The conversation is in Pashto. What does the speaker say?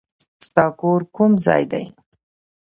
ستا کور کوم ځای دی؟